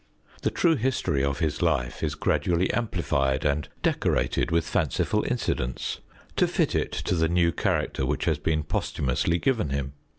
The true history of his life is gradually amplified and decorated with fanciful incidents, to fit it to the new character which has been posthumously given him.